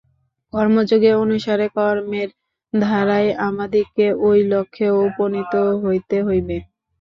কর্মযোগ অনুসারে কর্মের দ্বারাই আমাদিগকে ঐ লক্ষ্যে উপনীত হইতে হইবে।